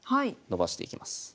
伸ばしていきます。